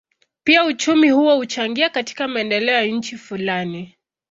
Pia uchumi huo huchangia katika maendeleo ya nchi fulani.